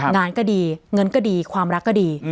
งานก็ดีเงินก็ดีความรักก็ดี